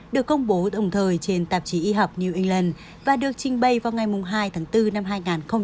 được công bố đồng thời trên tạp chí y học new england và được trình bày vào ngày hai tháng bốn năm hai nghìn hai mươi